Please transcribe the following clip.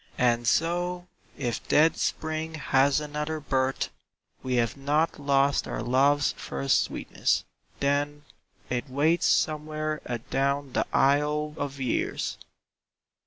And so, if dead Spring has another birth, We have not lost our love's first sweetness, then It waits somewhere adown the aisle of years.